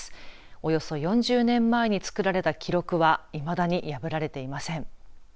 およそ４０年前に作られた記録はいまだに破られていません。